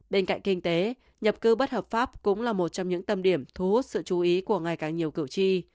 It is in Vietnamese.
bên cạnh kinh tế nhập cư bất hợp pháp cũng là một trong những tâm điểm thu hút sự chú ý của ngày càng nhiều cử tri